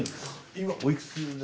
今おいくつで？